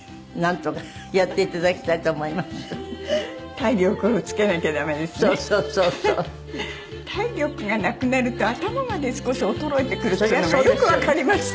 体力がなくなると頭まで少し衰えてくるっつうのがよくわかりました。